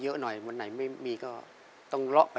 ขอเชิญปูชัยมาตอบชีวิตเป็นคนต่อไปครับ